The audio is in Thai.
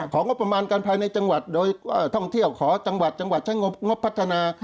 ของบางประมาณอยู่ในจังหวัดท่องเที่ยวขอจังหวัดได้งบพัฒนา